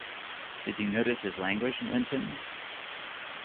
Did you notice his language, Linton?